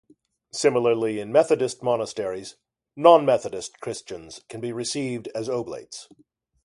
Similarly in Methodist monasteries, non-Methodist Christians can be received as oblates.